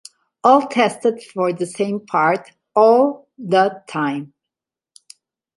All tested for the same part "all" the time".